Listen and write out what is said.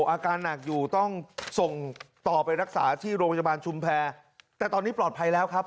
อาการหนักอยู่ต้องส่งต่อไปรักษาที่โรงพยาบาลชุมแพรแต่ตอนนี้ปลอดภัยแล้วครับ